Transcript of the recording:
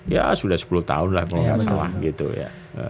ya sudah sepuluh tahun lah kalau nggak salah gitu ya